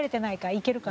いけるか？